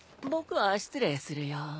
僕は失礼するよ。